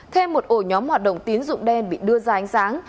thêm một ổ nhóm hoạt động tín dụng đen bị đưa ra ánh sáng